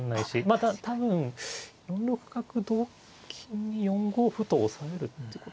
まあ多分４六角同金に４五歩と押さえるってことなのかな。